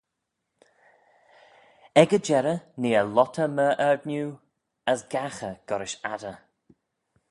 Ec y jerrey nee eh lhottey myr ard-nieu, as gaghey goll-rish adder.